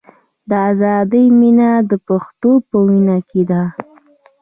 د ازادۍ مینه د پښتون په وینه کې ده.